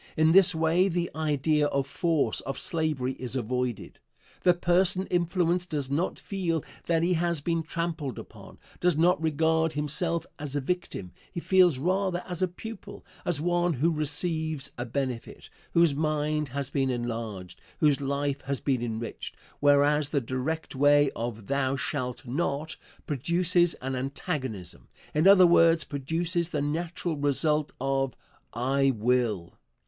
In this way the idea of force, of slavery, is avoided. The person influenced does not feel that he has been trampled upon, does not regard himself as a victim he feels rather as a pupil, as one who receives a benefit, whose mind has been enlarged, whose life has been enriched whereas the direct way of "Thou shalt not" produces an antagonism in other words, produces the natural result of "I will."